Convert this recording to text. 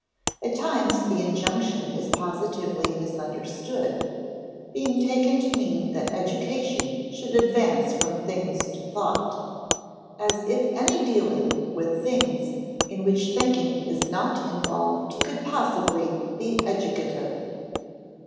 At times the injunction is positively misunderstood, being taken to mean that education should advance from things to thought as if any dealing with things in which thinking is not involved could possibly be educative.